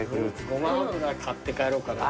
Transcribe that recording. ごま油買って帰ろうかな。